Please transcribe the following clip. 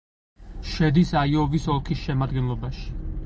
შედის აიოვის ოლქის შემადგენლობაში.